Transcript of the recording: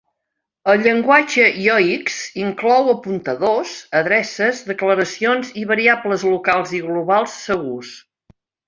El llenguatge Yoix inclou apuntadors, adreces, declaracions i variables locals i globals segurs.